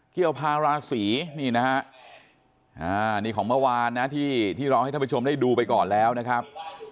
เกี่ยวพาราศีนี่นะฮะนี่ของเมื่อวานนะที่เราให้ท่านผู้ชมได้ดูไปก่อนแล้วนะครับ